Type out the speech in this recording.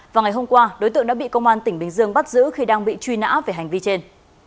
và ngày hôm qua đối tượng đã bị công an tỉnh bình dương bắt giữ khi đang bị truy nã về hành vi trên